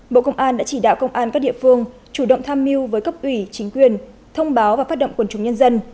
bộ công an đã chỉ đạo công an các địa phương chủ động tham mưu với cấp ủy chính quyền thông báo và phát động quần chúng nhân dân